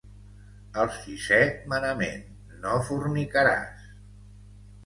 El sisè manament: no fornicaràs.